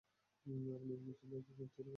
আপনি নিজের জন্য একটা সুযোগ তৈরী করলেন।